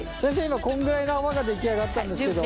今こんぐらいの泡が出来上がったんですけど。